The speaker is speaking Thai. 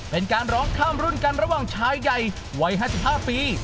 เป็นการร้องข้ามรุ่นกันระหว่างชายใหญ่วัย๕๕ปี